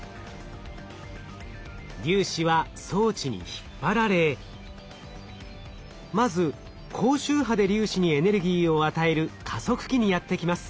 粒子は装置に引っ張られまず高周波で粒子にエネルギーを与える加速器にやって来ます。